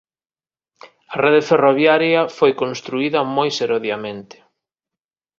A rede ferroviaria foi construída moi serodiamente.